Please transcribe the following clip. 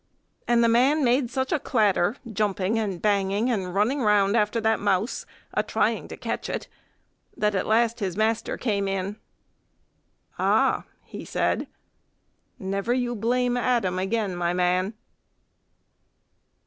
And the man made such a clatter, jumping and banging and running round after the mouse, a trying to catch it, that at last his master came in. "Ah!" he said; "never you blame Adam again, my man!"